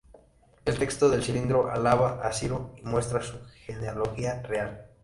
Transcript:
El texto del cilindro alaba a Ciro, y muestra su genealogía real.